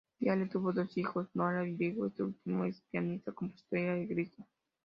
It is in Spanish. Viale tuvo dos hijos, Nora y Diego; este último es pianista, compositor y arreglista.